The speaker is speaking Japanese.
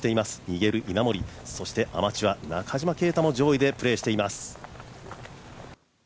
逃げる稲森そしてアマチュア・中島啓太も上位でプレーしています。